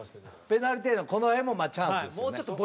ペナルティーエリアのこの辺もチャンスですよね。